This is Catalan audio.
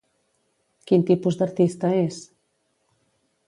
Quin tipus d'artista és?